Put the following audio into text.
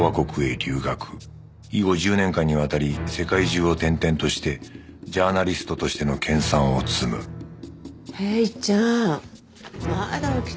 以後１０年間にわたり世界中を転々としてジャーナリストとしての研鑽を積むヘイちゃんまだ起きてたの？